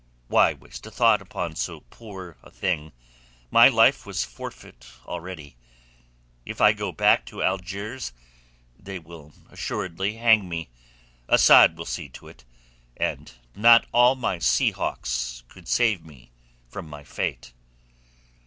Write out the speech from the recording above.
"Why waste a thought upon so poor a thing? My life was forfeit already. If I go back to Algiers they will assuredly hang me. Asad will see to it, and not all my sea hawks could save me from my fate."